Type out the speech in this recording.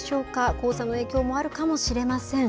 黄砂の影響もあるかもしれません。